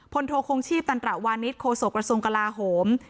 โทคงชีพตันตระวานิสโคศกระทรวงกลาโหม